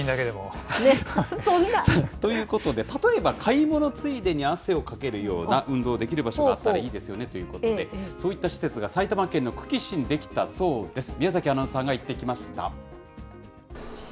そんな。ということで、例えば買い物ついでに汗をかけるような運動できる場所があったらいいですよねということで、そういった施設が埼玉県の久喜市に出来たそうです。